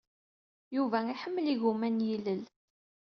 Yuba iḥemmel igumma n yilel.